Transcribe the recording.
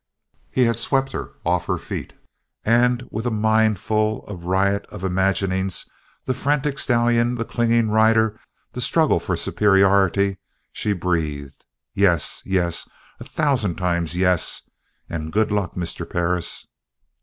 He had swept her off her feet and with a mind full of a riot of imaginings the frantic stallion, the clinging rider, the struggle for superiority she breathed: "Yes, yes! A thousand times yes and good luck, Mr. Perris."